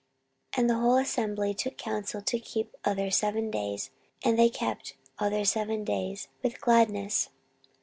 14:030:023 And the whole assembly took counsel to keep other seven days: and they kept other seven days with gladness.